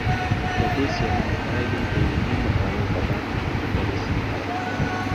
د دې څېړنو پایلې د علمي مقالو په بانک کې خپرې شوي دي.